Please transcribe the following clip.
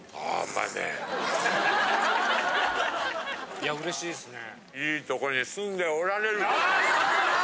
いや嬉しいっすね。